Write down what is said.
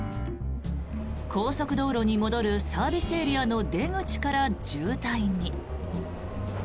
高速道路に戻るサービスエリアの出口から渋滞に。